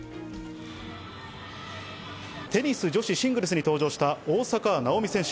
テニス女子シングルスに登場した大坂なおみ選手。